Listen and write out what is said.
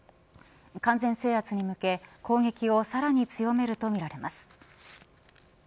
完全制圧に向け攻撃をさらに強めるとみられます。